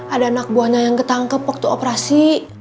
ada anak buahnya yang ketangkep waktu operasi